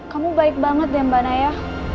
kamu baik banget ya mbak naya